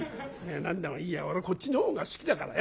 「何でもいいや俺こっちの方が好きだからよ。